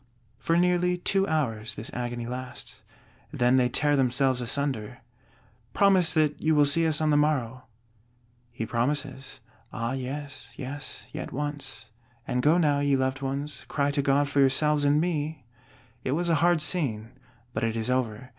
For nearly two hours this agony lasts; then they tear themselves asunder. "Promise that you will see us on the morrow." He promises: Ah yes, yes; yet once; and go now, ye loved ones; cry to God for yourselves and me! It was a hard scene, but it is over.